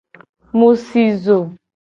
Mu si zo.